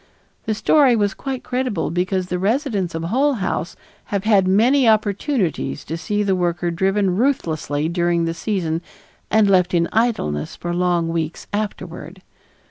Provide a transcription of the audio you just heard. The story was quite credible because the residents of Hull House have had many opportunities to see the worker driven ruthlessly during the season and left in idleness for long weeks afterward.